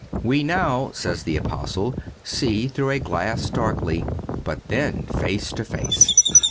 "We now," says the Apostle, "see through a glass darkly; but then face to face.